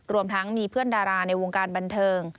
รวมทั้งมีเพื่อนดาราในวงการบันเทิง